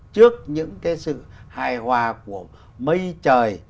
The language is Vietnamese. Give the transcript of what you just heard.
trước những cái sự hài hòa của mây trời